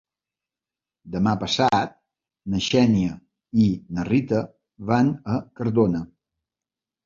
Demà passat na Xènia i na Rita van a Cardona.